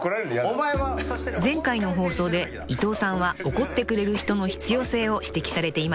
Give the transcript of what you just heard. ［前回の放送で伊藤さんは怒ってくれる人の必要性を指摘されていましたが］